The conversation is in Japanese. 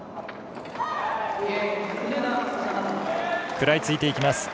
食らいついていきます。